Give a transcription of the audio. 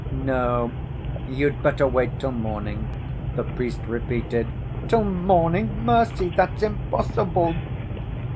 "No, you'd better wait till morning," the priest repeated. "Till morning? Mercy! that's impossible!"